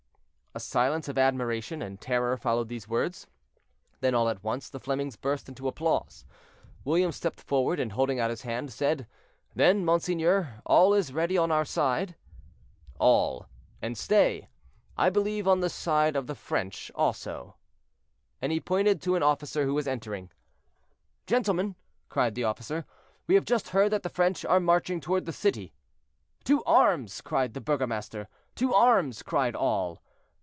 A silence of admiration and terror followed these words; then all at once the Flemings burst into applause. William stepped forward, and, holding out his hand, said: "Then, monseigneur, all is ready on our side?" "All; and, stay—I believe on the side of the French also." And he pointed to an officer who was entering. "Gentlemen," cried the officer, "we have just heard that the French are marching toward the city." "To arms!" cried the burgomaster. "To arms!" cried all.